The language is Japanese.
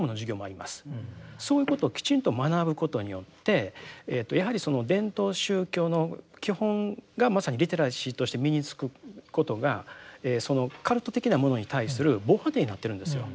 そういうことをきちんと学ぶことによってやはりその伝統宗教の基本がまさにリテラシーとして身につくことがカルト的なものに対する防波堤になってるんですよ。